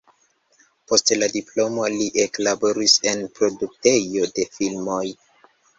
Post la diplomo li eklaboris en produktejo de filmoj.